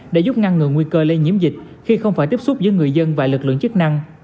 để giúp ngăn ngừa nguy cơ lây nhiễm dịch khi không phải tiếp xúc giữa người dân và lực lượng chức năng